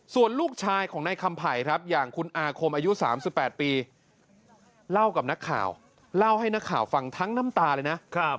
ส่วนลูกชายของนายคำไผ่ครับอย่างคุณอาคมอายุ๓๘ปีเล่ากับนักข่าวเล่าให้นักข่าวฟังทั้งน้ำตาเลยนะ